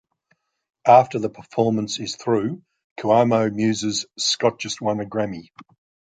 After the performance is through, Cuomo muses Scott just won a Grammy!